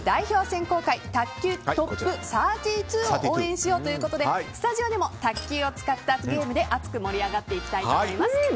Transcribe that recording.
選考会卓球トップ３２を応援しようということでスタジオでも卓球を使ったゲームで熱く盛り上がっていきたいと思います。